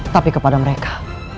tapi kepada mereka